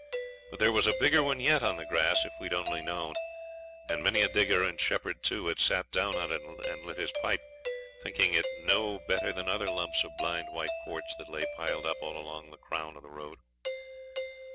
But there was a bigger one yet on the grass if we'd only known, and many a digger, and shepherd too, had sat down on it and lit his pipe, thinking it no better than other lumps of blind white quartz that lay piled up all along the crown of the ride.